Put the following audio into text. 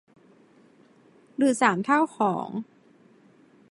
หรือสามเท่าของ